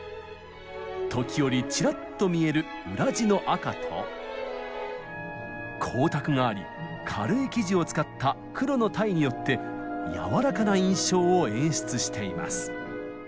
時折チラッと見える裏地の赤と光沢があり軽い生地を使った黒のタイによって柔らかな印象を演出しています。